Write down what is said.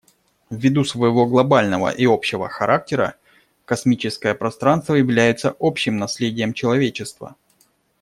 Ввиду своего глобального и общего характера космическое пространство является общим наследием человечества.